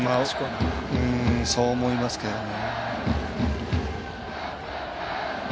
そう思いますけどね。